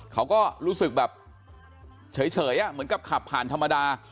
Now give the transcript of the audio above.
เขาก็รู้สึกแบบเฉยเหมือนกับขับผ่านธรรมดา